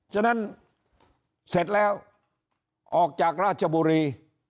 ฉะนั้นเสร็จแล้วออกจากราชบุรี